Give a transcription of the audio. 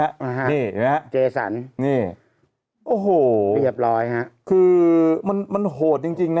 เห็นไหมฮะเจสันนี่โอ้โหเรียบร้อยฮะคือมันมันโหดจริงจริงนะ